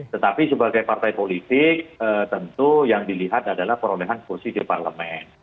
tetapi sebagai partai politik tentu yang dilihat adalah perolehan kursi di parlemen